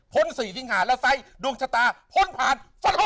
พ้นสี่สิงหาแล้วใส่ดวงชะตาพ้นผ่าน